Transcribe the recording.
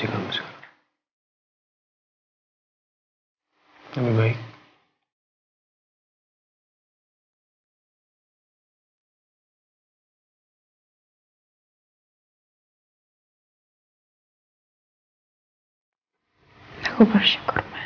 aku masih bisa melihat wajah kamu